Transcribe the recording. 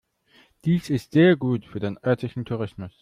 Dies ist sehr gut für den örtlichen Tourismus.